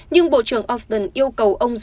nhưng bộ trưởng austin yêu cầu ông rời đi